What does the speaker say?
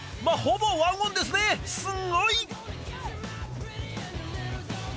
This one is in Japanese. まあほぼ１オンですねすごい！